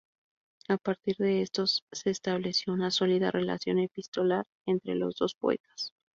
A partir de entonces se estableció una sólida relación epistolar entre los dos poetas.